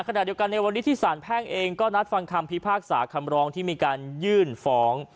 ขณะเดียวกันในวันนี้ที่สารแพ่งเองก็นัดฟังคำพิพากษาคำร้องที่มีการยื่นฟ้อง